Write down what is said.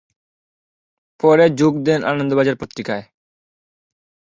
পরে যোগ দেন আনন্দবাজার পত্রিকায়।